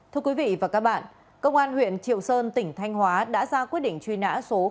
thưa quý vị và các bạn công an huyện triệu sơn tỉnh thanh hóa đã ra quyết định truy nã số hai